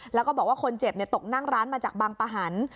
แล้วก็บอกว่าคนเจ็บตกนั่งร้านมาจากบางปะหัน